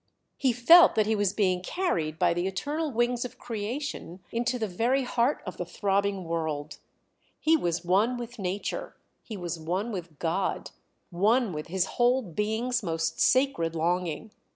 He felt that he was being carried by the eternal wings of creation into the very heart of the throbbing world; he was one with Nature, he was one with God, one with his whole being's most sacred longing.